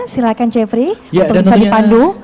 silakan jeffrey untuk bisa dipandu